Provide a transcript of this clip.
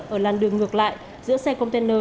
ở làn đường ngược lại giữa xe container